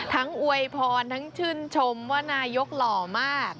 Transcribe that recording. อวยพรทั้งชื่นชมว่านายกหล่อมาก